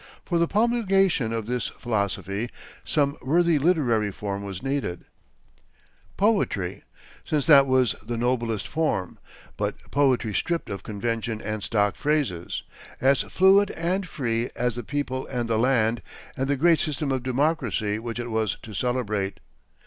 For the promulgation of this philosophy, some worthy literary form was needed poetry, since that was the noblest form, but poetry stripped of conventions and stock phrases, as "fluent and free as the people and the land and the great system of democracy which it was to celebrate."